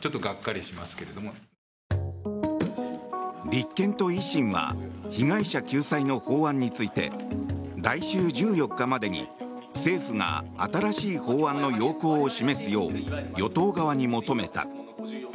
立憲と維新は被害者救済の法案について来週１４日までに政府が新しい法案の要綱を示すよう与党側に求めた。